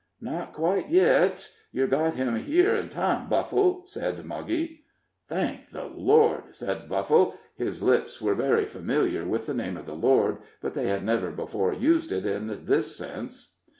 "Not quite yit yer got him here in time, Buffle," said Muggy. "Thank the Lord!" said Buffle. His lips were very familiar with the name of the Lord, but they had never before used it in this sense.